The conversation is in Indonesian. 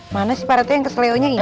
mana si parete yang keselionya ini